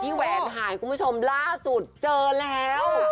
ใช่ผู้แหวลหายคุณผู้ชมล่าสุดเจอแล้ว